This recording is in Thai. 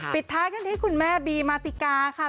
ปิดท้ายกันที่คุณแม่บีมาติกาค่ะ